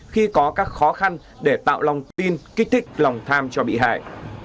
khi có các khó khăn để tạo lòng tin kích thích lòng tham cho bị hại